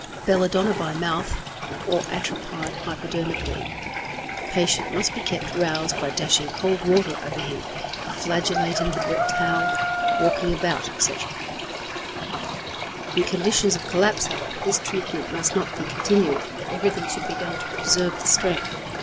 Belladonna by mouth, or atropine hypodermically. Patient must be kept roused by dashing cold water over him, flagellating with a wet towel, walking about, etc. In conditions of collapse, however, this treatment must not be continued, but everything should be done to preserve the strength.